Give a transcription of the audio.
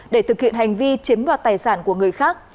để thực hiện hành vi chiếm đoạt tài sản của người khác